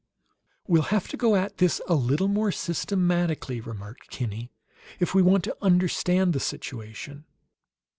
"We'll have to go at this a little more systematically," remarked Kinney, "if we want to understand the situation."